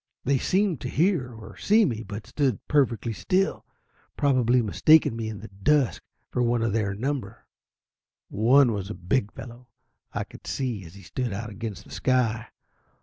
They seemed to hear or see me, but stood perfectly still, probably mistaking me in the dusk for one of their number. One was a big fellow, I could see, as he stood out against the sky.